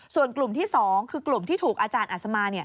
ส่วนกลุ่มที่๒คือกลุ่มที่ถูกอาจารย์อัศมา